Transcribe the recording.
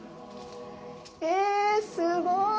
え、すごい。